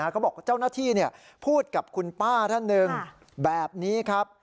เขาบอกเจ้าหน้าที่พูดกับคุณป้าท่านหนึ่งแบบนี้ครับ